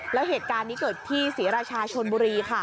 แล้วเหตุการณ์นี้เกิดที่ศรีราชาชนบุรีค่ะ